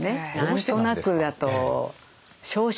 「何となく」だと「少々」